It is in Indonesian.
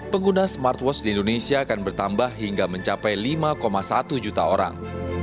pengguna smartwatch di indonesia akan bertambah hingga mencapai lima satu juta orang